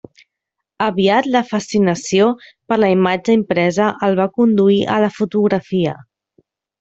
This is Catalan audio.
Aviat la fascinació per la imatge impresa el va conduir a la fotografia.